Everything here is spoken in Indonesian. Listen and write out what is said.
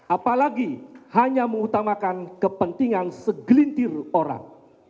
apalagi hanya mengutamakan kepentingan segelintir orang